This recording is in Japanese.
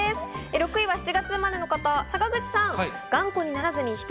６位は７月生まれの方、坂口さん。